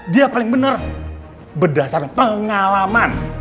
dia paling benar berdasar pengalaman